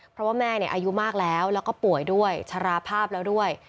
เพราะว่าแม่อายุมากแล้วแล้วก็ป่วยด้วยชราภาพแล้วด้วย